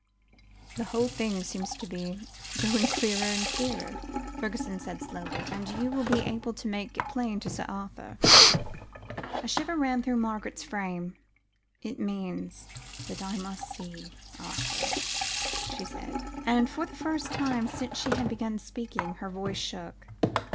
"The whole thing seems to be growing clearer and clearer," Fergusson said slowly, "and you will be able to make it plain to Sir Arthur." A shiver ran through Margaret's frame. "It means that I must see Arthur," she said; and for the first time since she had begun speaking, her voice shook.